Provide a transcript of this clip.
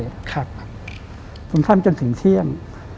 ส่วนข้างด้านจนถึงเที่ยง